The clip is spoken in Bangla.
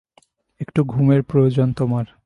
একটু ঘুমের প্রয়োজন তোমার।